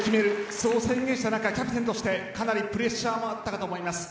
そう宣言した中キャプテンでプレッシャーもあったと思います。